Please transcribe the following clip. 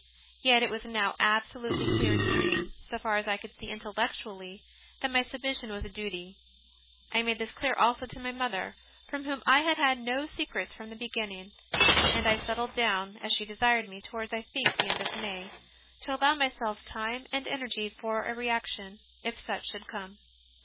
Yet it was now absolutely clear to me, so far as I could see intellectually, that my submission was a duty. I made this clear also to my mother, from whom I had had no secrets from the beginning; and I settled down, as she desired me, towards, I think, the end of May, to allow myself time and energy for a reaction, if such should come.